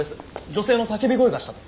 女性の叫び声がしたと。